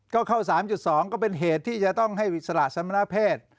ก็เข้า๓๒ก็เป็นเหตุที่จะต้องให้อิสระสมณเพศ